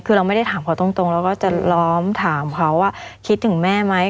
คือเราไม่ได้ถามเขาตรงเราก็จะล้อมถามเขาว่าคิดถึงแม่ไหม